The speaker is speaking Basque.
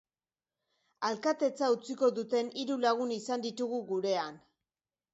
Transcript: Alkatetza utziko duten hiru lagun izan ditugu gurean.